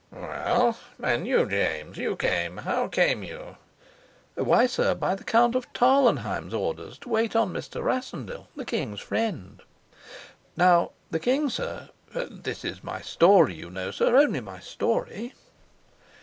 "Well, and you, James? You came. How came you?" "Why, sir, by the Count of Tarlenheim's orders, to wait on Mr. Rassendyll, the king's friend. Now, the king, sir... This is my story, you know, sir, only my story."